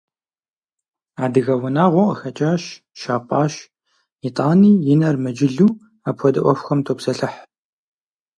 Адыгэ унагъуэ къыхэкӀащ, щапӀащ, итӀани, и нэр мыджылу апхуэдэ Ӏуэхухэм топсэлъыхь.